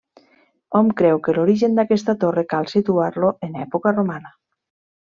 Hom creu que l'origen d'aquesta torre cal situar-lo en època romana.